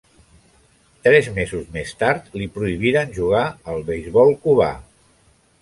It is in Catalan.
Tres mesos més tard, li prohibiren jugar al beisbol cubà.